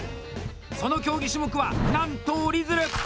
その競技種目は、なんと折り鶴。